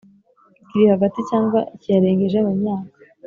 Kiri Hagati Cyangwa Kiyarengeje Mu Myaka